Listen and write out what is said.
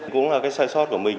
cũng là cái sai sót của mình